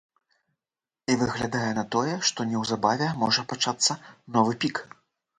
І выглядае на тое, што неўзабаве можа пачацца новы пік.